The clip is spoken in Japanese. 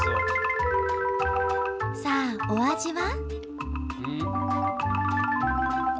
さあお味は？